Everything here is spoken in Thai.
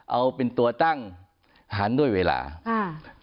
เอาเป็นตัวตั้งหารด้วยเวลาค่ะ